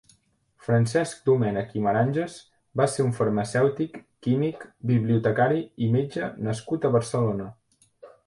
Francesc Domènech i Maranges va ser un farmacèutic, químic, bibliotecari i metge nascut a Barcelona.